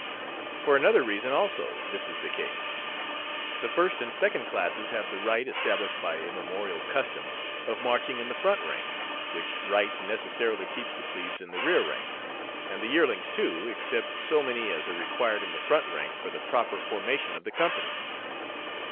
For another reason, also, this is the case. The first and second classes have the right established by immemorial custom of marching in the front rank, which right necessarily keeps the plebes in the rear rank, and the yearlings too, except so many as are required in the front rank for the proper formation of the company.